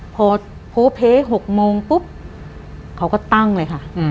พอโพเพ๖โมงปุ๊บเขาก็ตั้งเลยค่ะ